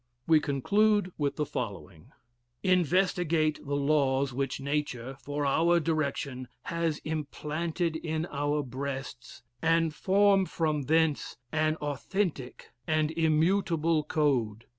We conclude with the following: "Investigate the laws which nature, for our direction, has implanted in our breasts, and form from thence an authentic and immutable code.